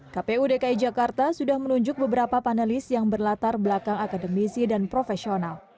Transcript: kpu dki jakarta sudah menunjuk beberapa panelis yang berlatar belakang akademisi dan profesional